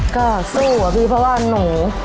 ก็สู้อะพี่เพราะว่าหนู